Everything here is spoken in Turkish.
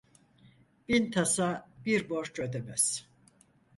Bin tasa bir borç ödemez.